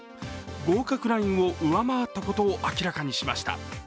合格ラインを上回ったことを明らかにしました。